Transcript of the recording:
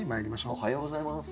おはようございます。